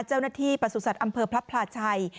เจ้าหน้าที่ประสุนสัตว์อำเภอพระพลาชัย